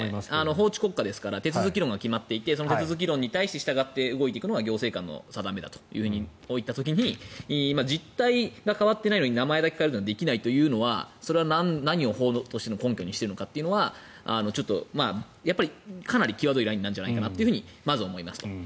法治国家ですから手続き論が決まっていてその手続き論に対して従って動いていくのが行政官の定めだといった時に実態が変わってないのに名前だけ変えるのはできないというのはそれは何を根拠にしているのかというのはかなり際どいラインなんじゃないかと思います。